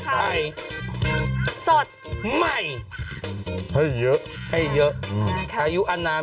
เภาเตียงไข่สดไม่ให้เยอะให้เยอะอ่านค่ะอายุอนาม